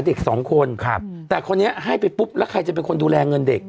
เด็กสองคนครับแต่คนนี้ให้ไปปุ๊บแล้วใครจะเป็นคนดูแลเงินเด็ก